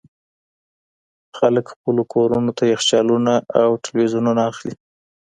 خلګ خپلو کورونو ته يخچالونه او ټلوېزيونونه اخلي.